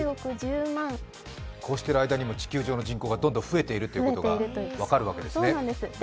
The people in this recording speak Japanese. こうしている間にも地球の人口がどんどん増えていることが分かるわけですね。